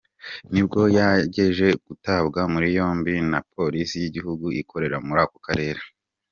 Nibwo yaje gutabwa muri yombi na Polisi y’igihugu ikorera muri ako karere.